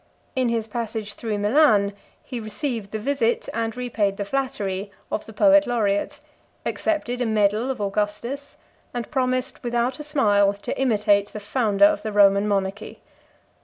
In his passage through Milan he received the visit, and repaid the flattery, of the poet laureate; accepted a medal of Augustus; and promised, without a smile, to imitate the founder of the Roman monarchy.